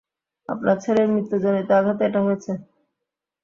আপনার ছেলের মৃত্যুজনিত আঘাতে এটা হয়েছে।